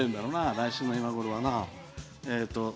来週の今ごろは。